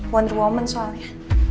wonder woman soalnya